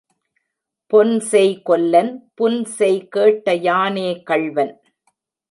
பொன்செய் கொல்லன் புன்சொல் கேட்ட யானே கள்வன்.